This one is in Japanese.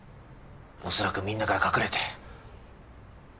恐らくみんなから隠れて。